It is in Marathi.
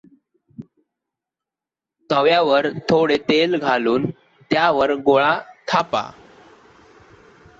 तव्यावर थोडे तेल घालून त्यावर गोळा थापा.